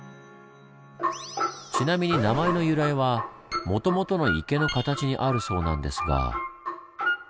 ちなみに名前の由来はもともとの池の形にあるそうなんですが。